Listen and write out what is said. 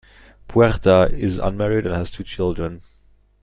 Puerta is unmarried and has two children.